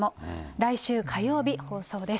来週火曜日放送です。